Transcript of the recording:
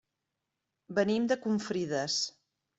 Venim de Confrides.